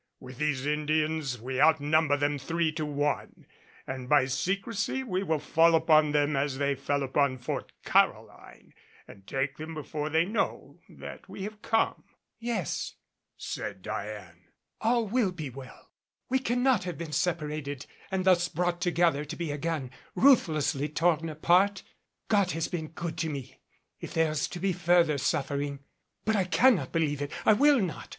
With these Indians we outnumber them three to one; and by secrecy we will fall upon them as they fell upon Fort Caroline, and take them before they know that we have come." "Yes," said Diane, "all will be well. We cannot have been separated and thus brought together to be again ruthlessly torn apart. God has been good to me. If there is to be further suffering but I cannot believe it I will not!